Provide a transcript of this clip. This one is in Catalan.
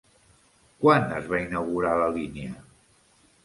Quan es va inaugurar la línia?